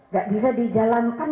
gak bisa dijalankan